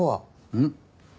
うん？